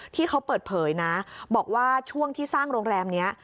ที่เขาเปิดเผยนะบอกว่าช่วงที่สร้างโรงแรมนี้